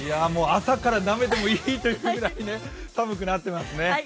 朝から鍋でもいいというくらい寒くなってますね。